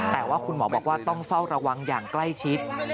แต่ว่าคุณหมอบอกว่าต้องเฝ้าระวังอย่างใกล้ชิด